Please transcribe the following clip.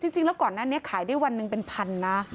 จริงแล้วก่อนหน้านี้ขายได้วันหนึ่งเป็นพันนะ